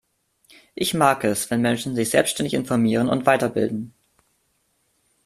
Ich mag es, wenn Menschen sich selbstständig informieren und weiterbilden.